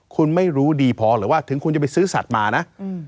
คุณไม่รู้ดีพอหรือว่าถึงคุณจะไปซื้อสัตว์มานะ